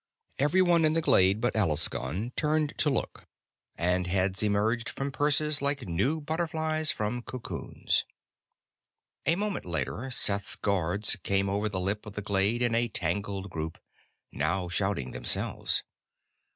Everyone in the glade but Alaskon turned to look, and heads emerged from purses like new butterflies from cocoons. A moment later, Seth's guards came over the lip of the glade in a tangled group, now shouting themselves.